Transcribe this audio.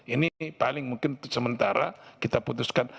ini paling mungkin sementara kita putuskan